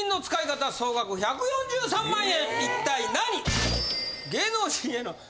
一体何？